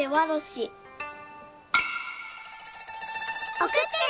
おくってね！